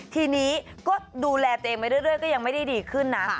ทีนี้ก็ดูแลตัวเองไปเรื่อยก็ยังไม่ได้ดีขึ้นนะ